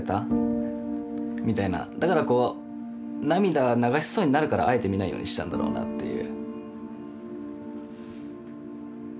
だからこう涙流しそうになるからあえて見ないようにしてたんだろうなっていう。